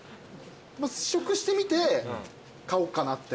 試食してみて買おうかなって。